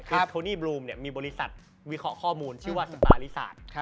ตอนนี้โทนีบลูมเนี่ยมีบริษัทวิเคราะห์ข้อมูลชื่อว่าสปาริสาร